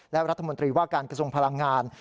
และรัฐมนตรีว่าการกระทรวงพลังงาน